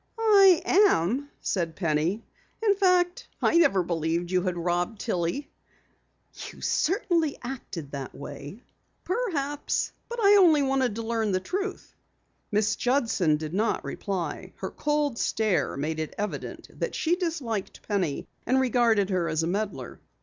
"I am," said Penny. "In fact, I never believed that you had robbed Tillie." "You certainly acted that way." "Perhaps, I only wanted to learn the truth." Miss Judson did not reply. Her cold stare made it evident that she disliked Penny and regarded her as a meddler.